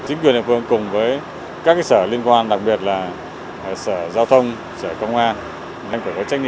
chính quyền địa phương cùng với các sở liên quan đặc biệt là sở giao thông sở công an